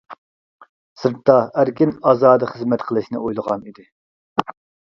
سىرتتا ئەركىن-ئازادە خىزمەت قىلىشنى ئويلىغان ئىدى.